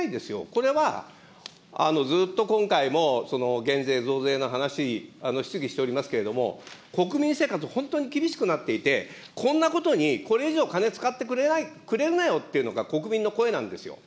これは、ずっと今回も減税、増税の話、質疑しておりますけれども、国民生活、本当に厳しくなっていて、こんなことにこれ以上、金使ってくれるなよというのが国民の声なんですよ。